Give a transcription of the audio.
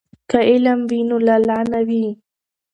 که علم وي نو لاله نه وي.